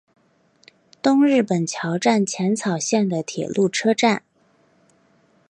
东日本桥站浅草线的铁路车站。